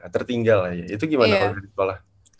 tertinggal aja itu gimana